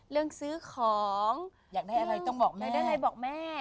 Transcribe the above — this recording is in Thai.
เรื่องซื้อของอยากได้อะไรต้องบอกแม่ได้อะไรบอกแม่